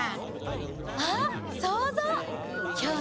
あっそうぞう！